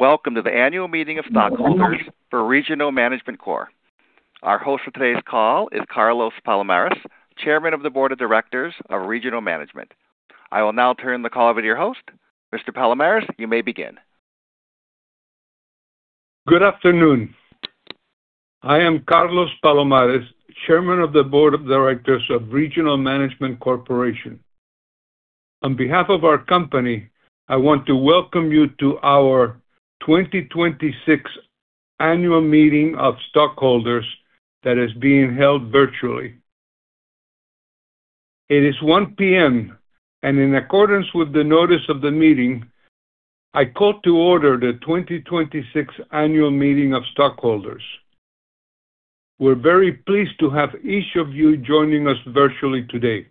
Welcome to the annual meeting of stockholders for Regional Management Corp. Our host for today's call is Carlos Palomares, Chairman of the Board of Directors of Regional Management. I will now turn the call over to your host. Mr. Palomares, you may begin. Good afternoon. I am Carlos Palomares, Chairman of the Board of Directors of Regional Management Corporation. On behalf of our company, I want to welcome you to our 2026 Annual Meeting of Stockholders that is being held virtually. It is 1:00PM, and in accordance with the notice of the meeting, I call to order the 2026 Annual Meeting of Stockholders. We're very pleased to have each of you joining us virtually today.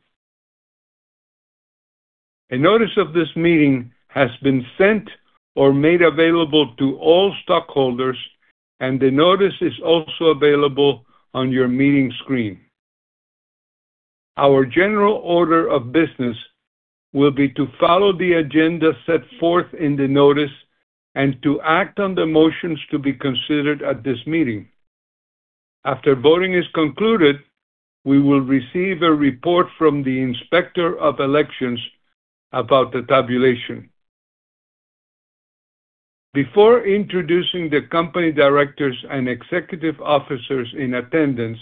A notice of this meeting has been sent or made available to all stockholders, and the notice is also available on your meeting screen. Our general order of business will be to follow the agenda set forth in the notice and to act on the motions to be considered at this meeting. After voting is concluded, we will receive a report from the Inspector of Elections about the tabulation. Before introducing the company directors and executive officers in attendance,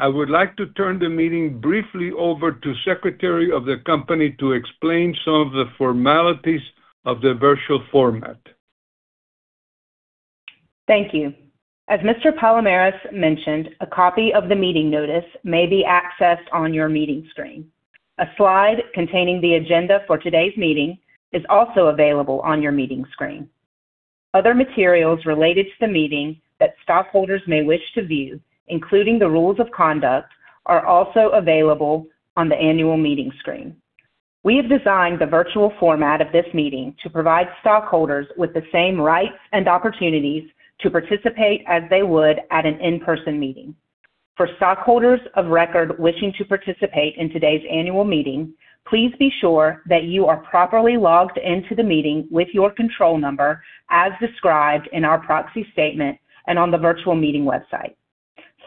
I would like to turn the meeting briefly over to Secretary of the Company to explain some of the formalities of the virtual format. Thank you. As Mr. Palomares mentioned, a copy of the meeting notice may be accessed on your meeting screen. A slide containing the agenda for today's meeting is also available on your meeting screen. Other materials related to the meeting that stockholders may wish to view, including the rules of conduct, are also available on the annual meeting screen. We have designed the virtual format of this meeting to provide stockholders with the same rights and opportunities to participate as they would at an in-person meeting. For stockholders of record wishing to participate in today's annual meeting, please be sure that you are properly logged into the meeting with your control number as described in our proxy statement and on the virtual meeting website.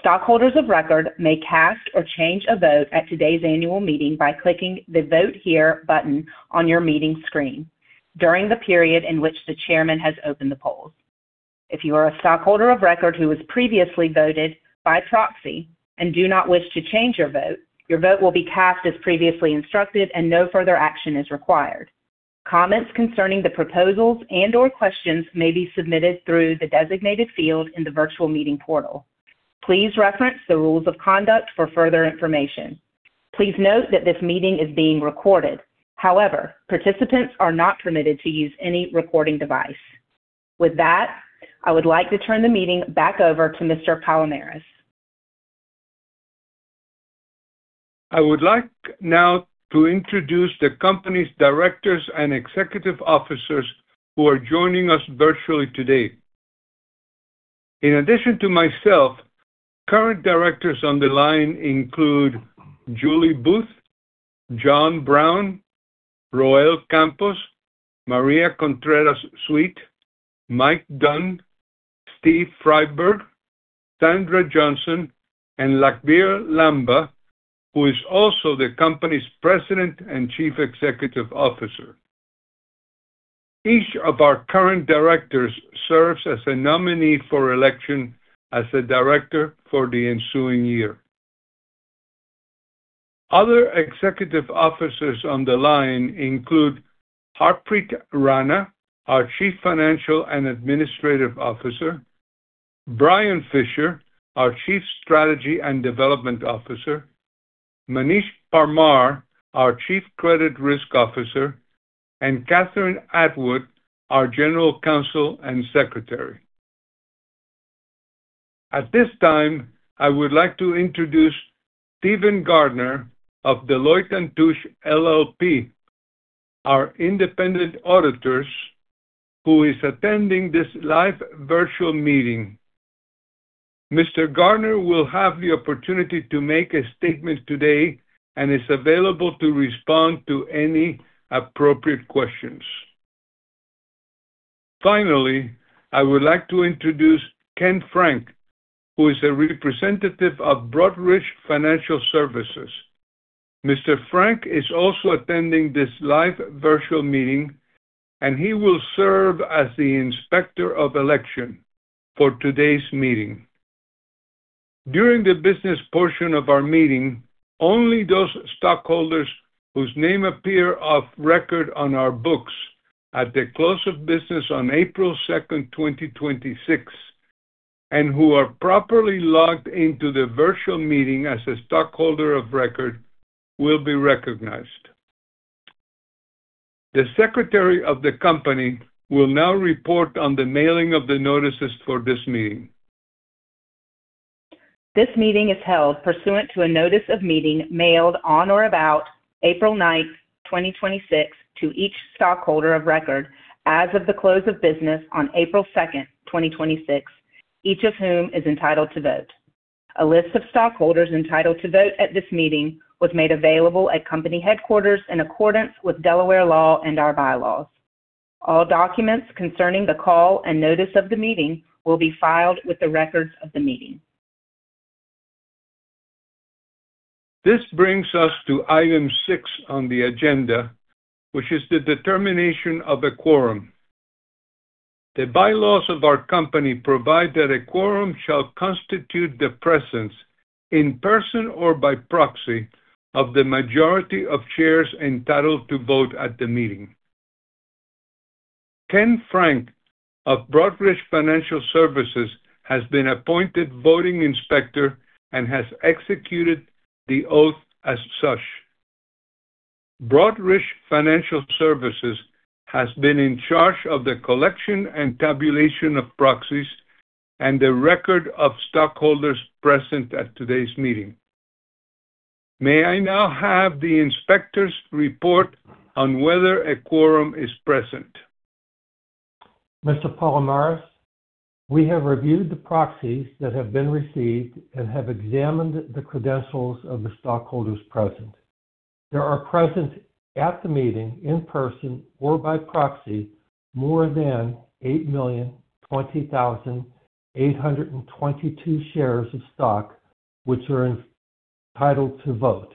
Stockholders of record may cast or change a vote at today's annual meeting by clicking the Vote Here button on your meeting screen during the period in which the chairman has opened the polls. If you are a stockholder of record who has previously voted by proxy and do not wish to change your vote, your vote will be cast as previously instructed and no further action is required. Comments concerning the proposals and/or questions may be submitted through the designated field in the virtual meeting portal. Please reference the rules of conduct for further information. Please note that this meeting is being recorded. However, participants are not permitted to use any recording device. With that, I would like to turn the meeting back over to Mr. Palomares. I would like now to introduce the company's directors and executive officers who are joining us virtually today. In addition to myself, current directors on the line include Julie Booth, Jon Brown, Roel Campos, Maria Contreras-Sweet, Mike Dunn, Steve Freiberg, Sandra Johnson, and Lakhbir Lamba, who is also the company's President and Chief Executive Officer. Each of our current directors serves as a nominee for election as a director for the ensuing year. Other executive officers on the line include Harpreet Rana, our Chief Financial and Administrative Officer, Brian Fisher, our Chief Strategy and Development Officer, Manish Parmar, our Chief Credit Risk Officer, and Catherine Atwood, our General Counsel and Secretary. At this time, I would like to introduce Steven Gardner of Deloitte & Touche LLP, our independent auditors, who is attending this live virtual meeting. Mr. Gardner will have the opportunity to make a statement today and is available to respond to any appropriate questions. Finally, I would like to introduce [Ken Frank], who is a representative of Broadridge Financial Services. Mr. Frank is also attending this live virtual meeting, and he will serve as the Inspector of Election for today's meeting. During the business portion of our meeting, only those stockholders whose name appear of record on our books at the close of business on April 2nd, 2026, and who are properly logged into the virtual meeting as a stockholder of record will be recognized. The secretary of the company will now report on the mailing of the notices for this meeting. This meeting is held pursuant to a notice of meeting mailed on or about April 9th, 2026, to each stockholder of record as of the close of business on April 2nd, 2026, each of whom is entitled to vote. A list of stockholders entitled to vote at this meeting was made available at company headquarters in accordance with Delaware law and our bylaws. All documents concerning the call and notice of the meeting will be filed with the records of the meeting. This brings us to item six on the agenda, which is the determination of a quorum. The bylaws of our company provide that a quorum shall constitute the presence in person or by proxy of the majority of shares entitled to vote at the meeting. [Ken Frank] of Broadridge Financial Services has been appointed voting inspector and has executed the oath as such. Broadridge Financial Solutions has been in charge of the collection and tabulation of proxies and the record of stockholders present at today's meeting. May I now have the inspector's report on whether a quorum is present? Mr. Palomares, we have reviewed the proxies that have been received and have examined the credentials of the stockholders present. There are present at the meeting in person or by proxy, more than 8,020,822 shares of stock, which are entitled to vote.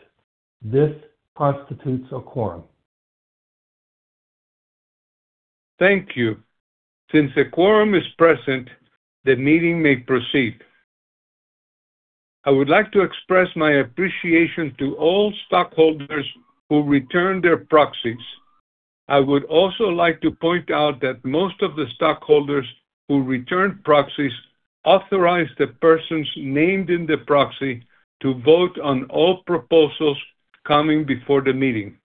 This constitutes a quorum. Thank you. Since a quorum is present, the meeting may proceed. I would like to express my appreciation to all stockholders who returned their proxies. I would also like to point out that most of the stockholders who returned proxies authorized the persons named in the proxy to vote on all proposals coming before the meeting.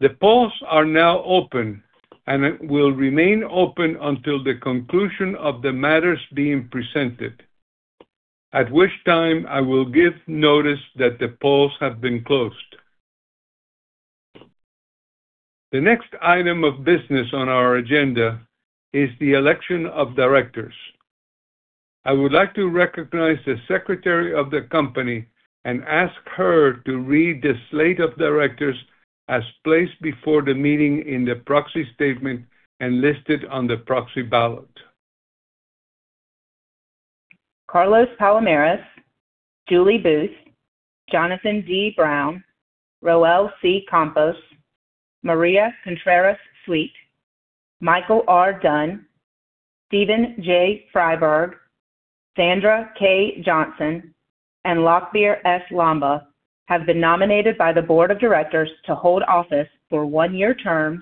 The polls are now open, and it will remain open until the conclusion of the matters being presented, at which time I will give notice that the polls have been closed. The next item of business on our agenda is the election of directors. I would like to recognize the secretary of the company and ask her to read the slate of directors as placed before the meeting in the proxy statement and listed on the proxy ballot. Carlos Palomares, Julie Booth, Jonathan D. Brown, Roel C. Campos, Maria Contreras-Sweet, Michael R. Dunn, Steven J. Freiberg, Sandra K. Johnson, and Lakhbir S. Lamba have been nominated by the board of directors to hold office for one-year terms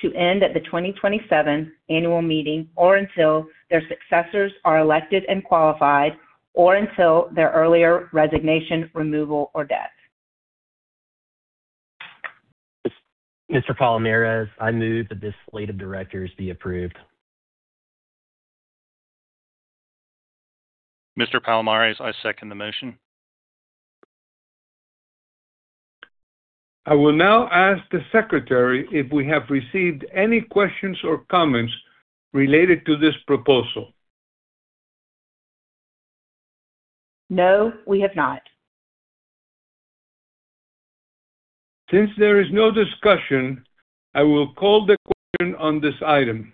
to end at the 2027 annual meeting or until their successors are elected and qualified, or until their earlier resignation, removal, or death. Mr. Palomares, I move that this slate of directors be approved. Mr. Palomares, I second the motion. I will now ask the secretary if we have received any questions or comments related to this proposal. No, we have not. Since there is no discussion, I will call the question on this item.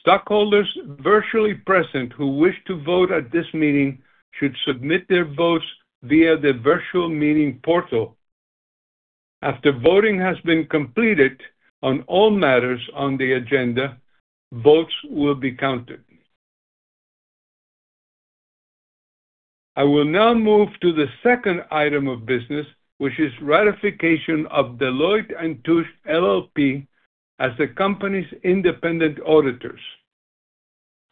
Stockholders virtually present who wish to vote at this meeting should submit their votes via the virtual meeting portal. After voting has been completed on all matters on the agenda, votes will be counted. I will now move to the second item of business, which is ratification of Deloitte & Touche LLP as the company's independent auditors.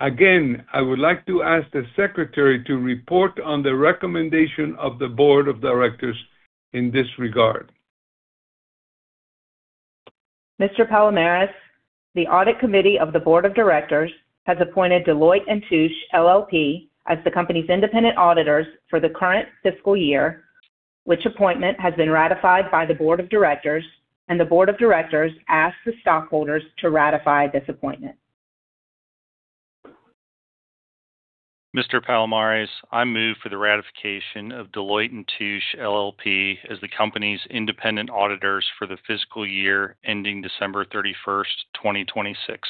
Again, I would like to ask the secretary to report on the recommendation of the board of directors in this regard. Mr. Palomares, the audit committee of the board of directors has appointed Deloitte & Touche LLP as the company's independent auditors for the current fiscal year, which appointment has been ratified by the board of directors. The board of directors asks the stockholders to ratify this appointment. Mr. Palomares, I move for the ratification of Deloitte & Touche LLP as the company's independent auditors for the fiscal year ending December 31st, 2026.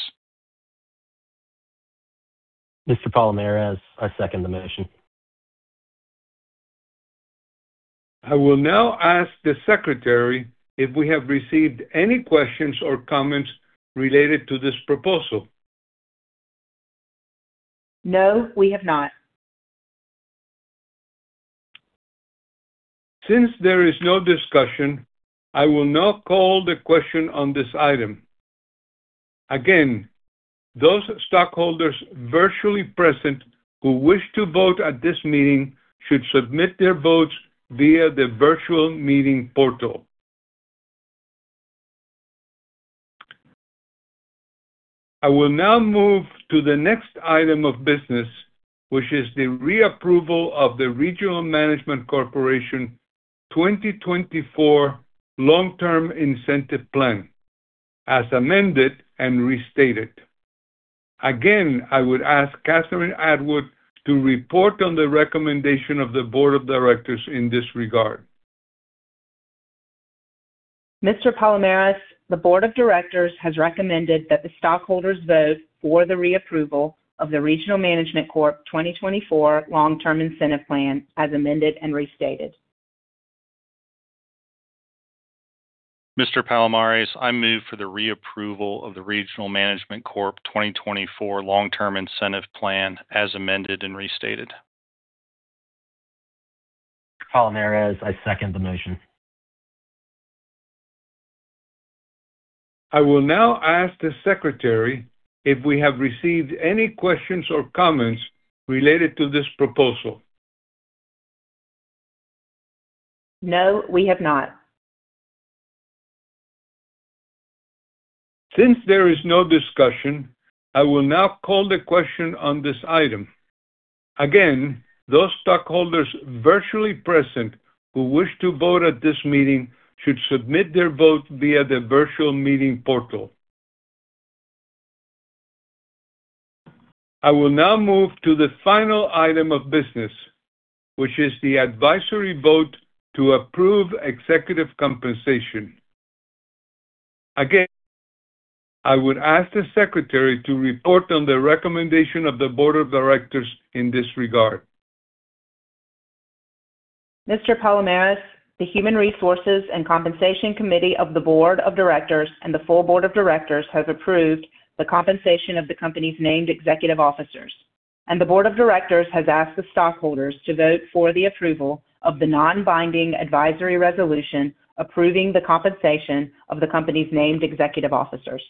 Mr. Palomares, I second the motion. I will now ask the secretary if we have received any questions or comments related to this proposal. No, we have not. Since there is no discussion, I will now call the question on this item. Those stockholders virtually present who wish to vote at this meeting should submit their votes via the virtual meeting portal. I will now move to the next item of business, which is the reapproval of the Regional Management Corporation 2024 Long-Term Incentive Plan, as amended and restated. I would ask Catherine Atwood to report on the recommendation of the board of directors in this regard. Mr. Palomares, the board of directors has recommended that the stockholders vote for the reapproval of the Regional Management Corp 2024 Long-Term Incentive Plan as amended and restated. Mr. Palomares, I move for the reapproval of the Regional Management Corp 2024 Long-Term Incentive Plan as amended and restated. Palomares, I second the motion. I will now ask the secretary if we have received any questions or comments related to this proposal. No, we have not. Since there is no discussion, I will now call the question on this item. Again, those stockholders virtually present who wish to vote at this meeting should submit their vote via the virtual meeting portal. I will now move to the final item of business, which is the advisory vote to approve executive compensation. Again, I would ask the secretary to report on the recommendation of the board of directors in this regard. Mr. Palomares, the Human Resources and Compensation Committee of the Board of Directors and the full Board of Directors has approved the compensation of the company's named executive officers, and the Board of Directors has asked the stockholders to vote for the approval of the non-binding advisory resolution approving the compensation of the company's named executive officers.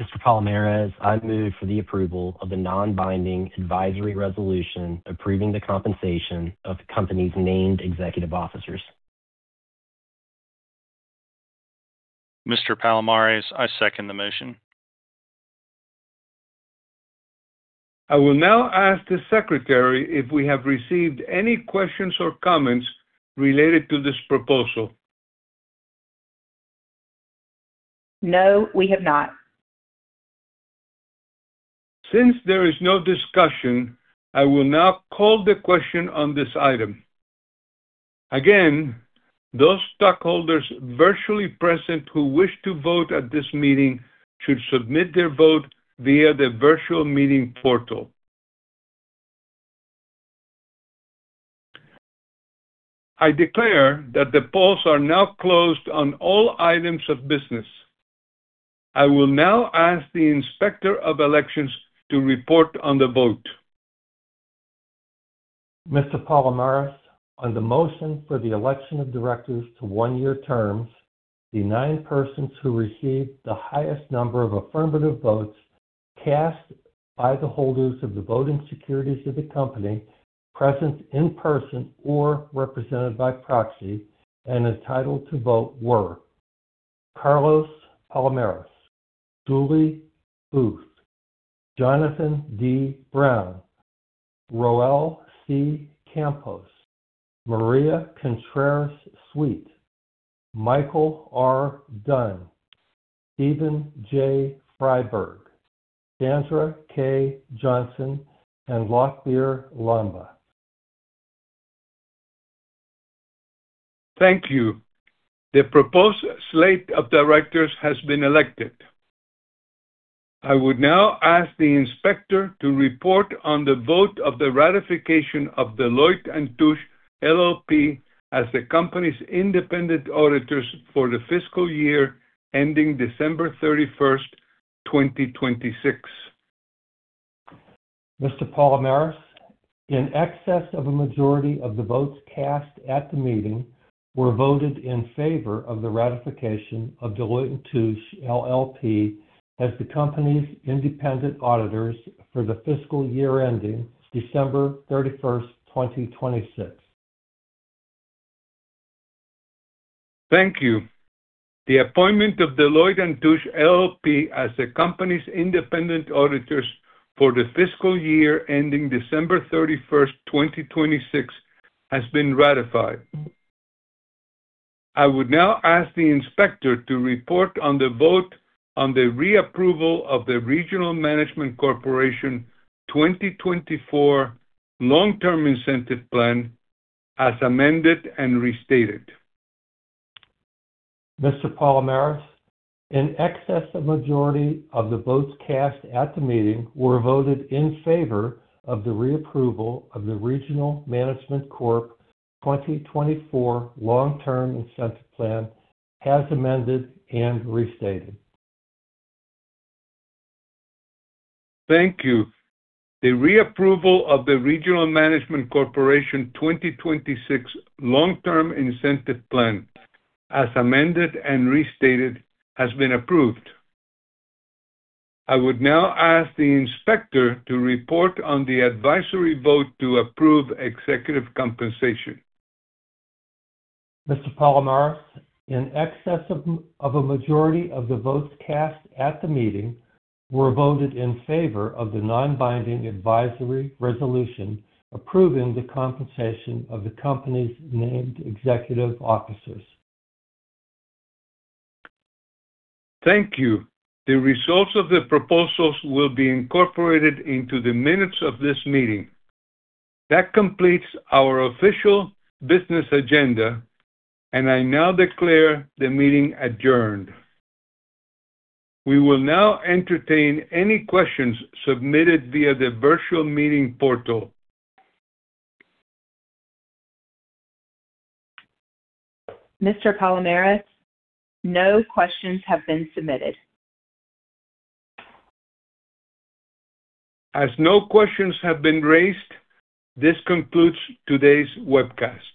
Mr. Palomares, I move for the approval of the non-binding advisory resolution approving the compensation of the company's named executive officers. Mr. Palomares, I second the motion. I will now ask the secretary if we have received any questions or comments related to this proposal. No, we have not. Since there is no discussion, I will now call the question on this item. Again, those stockholders virtually present who wish to vote at this meeting should submit their vote via the virtual meeting portal. I declare that the polls are now closed on all items of business. I will now ask the Inspector of Elections to report on the vote. Mr. Palomares, on the motion for the election of directors to one-year terms, the nine persons who received the highest number of affirmative votes cast by the holders of the voting securities of the company present in person or represented by proxy and entitled to vote were Carlos Palomares, Julie Booth, Jonathan D. Brown, Roel C. Campos, Maria Contreras-Sweet, Michael R. Dunn, Steven J. Freiberg, Sandra K. Johnson, and Lakhbir Lamba. Thank you. The proposed slate of directors has been elected. I would now ask the inspector to report on the vote of the ratification of Deloitte & Touche LLP as the company's independent auditors for the fiscal year ending December 31st, 2026. Mr. Palomares, in excess of a majority of the votes cast at the meeting were voted in favor of the ratification of Deloitte & Touche LLP as the company's independent auditors for the fiscal year ending December 31st, 2026. Thank you. The appointment of Deloitte & Touche LLP as the company's independent auditors for the fiscal year ending December 31st, 2026 has been ratified. I would now ask the inspector to report on the vote on the reapproval of the Regional Management Corporation 2024 Long-Term Incentive Plan as amended and restated. Mr. Palomares, in excess of a majority of the votes cast at the meeting were voted in favor of the reapproval of the Regional Management Corp 2024 Long-Term Incentive Plan as amended and restated. Thank you. The reapproval of the Regional Management Corporation 2026 Long-Term Incentive Plan as amended and restated has been approved. I would now ask the inspector to report on the advisory vote to approve executive compensation. Mr. Palomares, in excess of a majority of the votes cast at the meeting were voted in favor of the non-binding advisory resolution approving the compensation of the company's named executive officers. Thank you. The results of the proposals will be incorporated into the minutes of this meeting. That completes our official business agenda, and I now declare the meeting adjourned. We will now entertain any questions submitted via the virtual meeting portal. Mr. Palomares, no questions have been submitted. As no questions have been raised, this concludes today's webcast.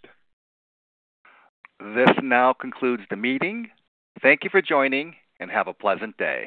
This now concludes the meeting. Thank you for joining, and have a pleasant day.